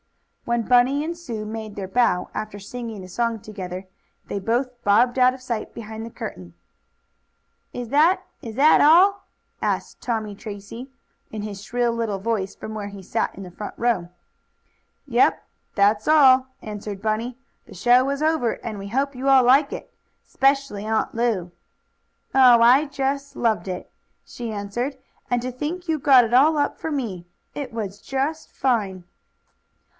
When Bunny and Sue made their bow, after singing the song together, they both bobbed out of sight behind the curtain. "Is that is that all?" asked Tommie Tracy, in his shrill little voice, from where he sat in the front row. "Yep. That's all," answered Bunny. "The show is over, and we hope you all like it; 'specially Aunt Lu." "Oh, I just loved it," she answered. "And to think you got it all up for me! It was just fine!"